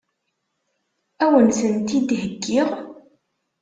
Ad wen-tent-id-heggiɣ?